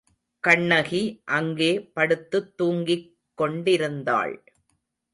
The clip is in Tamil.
கண்ணகி அங்கே படுத்துத் தூங்கிக் கொண்டிருந்தாள்.